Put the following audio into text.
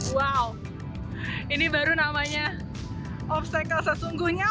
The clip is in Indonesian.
wow ini baru namanya obstacle sesungguhnya